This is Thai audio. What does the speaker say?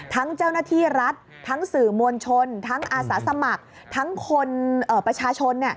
เจ้าหน้าที่รัฐทั้งสื่อมวลชนทั้งอาสาสมัครทั้งคนประชาชน